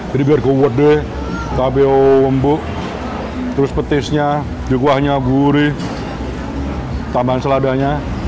jadi biar kuat deh kabeo lembut terus petisnya kuahnya gurih tambahan seladanya